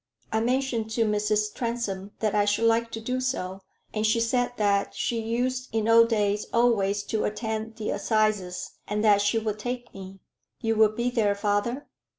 "I mentioned to Mrs. Transome that I should like to do so, and she said that she used in old days always to attend the assizes, and that she would take me. You will be there, father?"